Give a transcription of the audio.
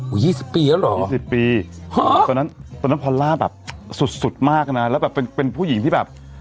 อุ๊ย๒๐ปีแล้วหรอ๒๐ปีตอนนั้นพอลล่าแบบสุดมากนะแล้วแบบเป็นผู้หญิงที่แบบ